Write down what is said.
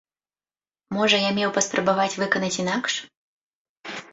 Можа, я меў паспрабаваць выканаць інакш?